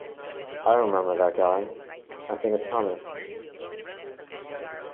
I remember that guy, I think it's Thomas.